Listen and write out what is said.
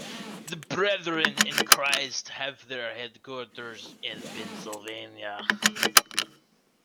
The Brethren in Christ have their headquarters in Pennsylvania.